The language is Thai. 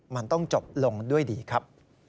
มันต้องจบลงด้วยดีครับ